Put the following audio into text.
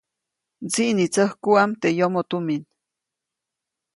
Mdsiʼnitsäjkuʼam teʼ yomoʼ tumin.